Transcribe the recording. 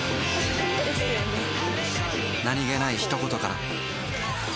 何気ない一言から